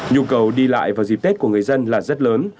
nhu cầu đi lại vào dịp tết của người dân là rất lớn